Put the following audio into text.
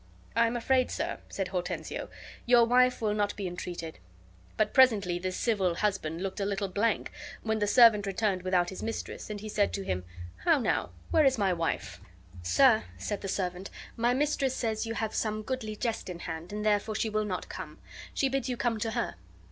"I am afraid, sir," said Hortensio, "your wife will not be entreated." But presently this civil husband looked a little blank when the servant returned without his mistress; and he said to him: "How now? Where is my wife?" "Sir," said the servant, "my mistress says you have some goodly jest in hand, and therefore she will not come. She bids you come to her."